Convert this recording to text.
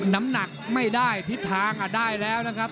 น้ำหนักไม่ได้ทิศทางได้แล้วนะครับ